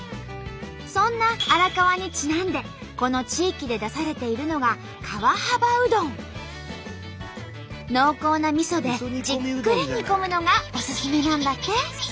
そんな荒川にちなんでこの地域で出されているのが濃厚なみそでじっくり煮込むのがおすすめなんだって。